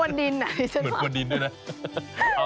นี่ไงผมดึงอย่างนี้คุณอะ